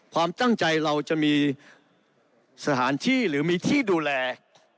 ความตั้งใจเราจะมีสถานที่หรือมีที่ดูแล